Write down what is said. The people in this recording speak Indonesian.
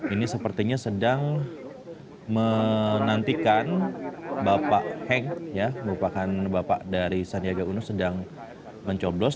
ini sepertinya sedang menantikan bapak heng ya merupakan bapak dari sandiaga uno sedang mencoblos